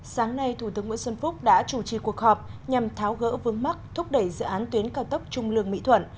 sáng nay thủ tướng nguyễn xuân phúc đã chủ trì cuộc họp nhằm tháo gỡ vướng mắt thúc đẩy dự án tuyến cao tốc trung lương mỹ thuận